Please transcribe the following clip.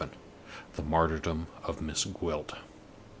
VII. THE MARTYRDOM OF MISS GWILT.